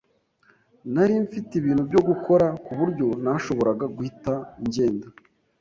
Nari mfite ibintu byo gukora, ku buryo ntashobora guhita ngenda.